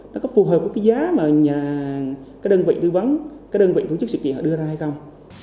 nó có phù hợp với cái giá mà các đơn vị tư vấn các đơn vị tổ chức sự kiện họ đưa ra hay không